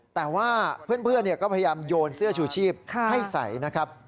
แต่ว่าเพื่อนก็พยายามโยนเสื้อชูชีพให้ใส่นะครับ